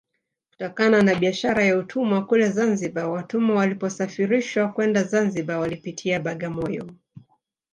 Kutokana na biashara ya utumwa kule Zanzibar watumwa waliposafirishwa kwenda Zanzibar walipitia Bagamoyo